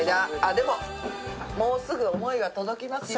でももうすぐ想いが届きますよ。